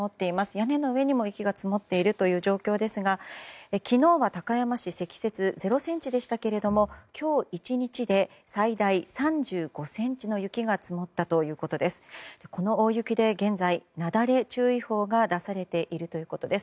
屋根の上にも雪が積もっている状況ですが昨日は高山市積雪０ｃｍでしたが今日１日で最大３５ｃｍの雪が積もったということです。